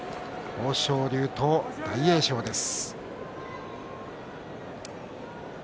豊昇龍と大栄翔です。